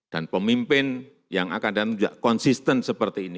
dan pemimpin yang akan datang juga konsisten seperti ini